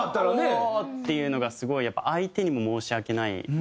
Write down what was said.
「おおー」っていうのがすごいやっぱ相手にも申し訳ないですけど。